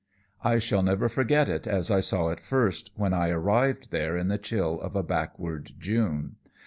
"I shall never forget it as I saw it first, when I arrived there in the chill of a backward June.